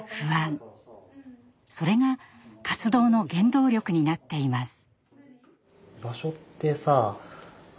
それが活動の原動力になっています。